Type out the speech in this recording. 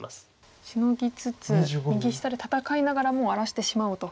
シノぎつつ右下で戦いながらもう荒らしてしまおうと。